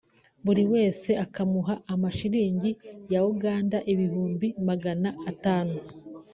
buri wese akamuha amashilingi ya Uganda ibihumbi magana atanu